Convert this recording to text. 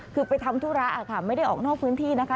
คือไปทำธุระค่ะไม่ได้ออกนอกพื้นที่นะคะ